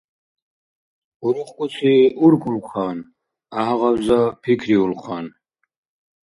УрухкӀуси уркӀулхъан, гӀяхӀгъабза пикриулхъан.